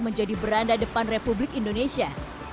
menjadi beranda depan republik indonesia